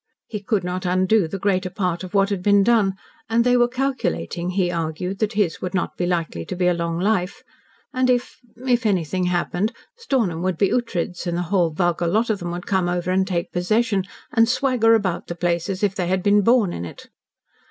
He could not undo the greater part of what had been done, and they were calculating, he argued, that his would not be likely to be a long life, and if if anything happened Stornham would be Ughtred's and the whole vulgar lot of them would come over and take possession and swagger about the place as if they had been born on it.